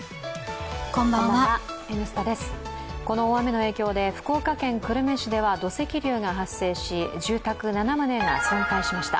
この大雨の影響で福岡県久留米市では土石流が発生し、住宅７棟が損壊しました。